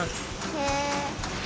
へえ。